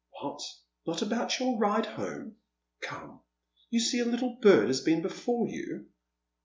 " What, not about your ride home ? Come, you see a little bird has been before you."